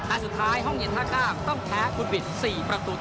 สุดท้ายห้องเย็นท่าข้ามต้องแพ้คุณบิด๔ประตูต่อ